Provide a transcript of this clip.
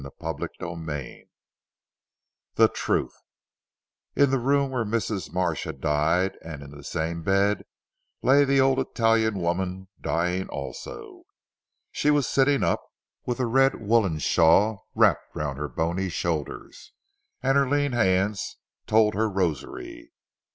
CHAPTER XXVI THE TRUTH In the room where Mrs. Marsh had died, and in the same bed, lay the old Italian woman dying also. She was sitting up, with a red woollen shawl wrapped round her bony shoulders, and her lean hands told her rosary.